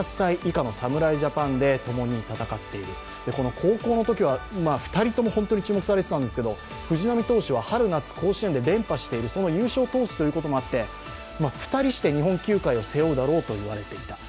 高校のときは２人とも本当に注目されていたんですけど、藤浪投手は春夏甲子園で優勝しているその優勝投手ということもあって、２人して日本球界を背負うだろうと言われていた。